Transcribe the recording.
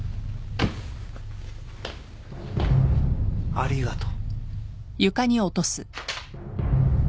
ありがとう。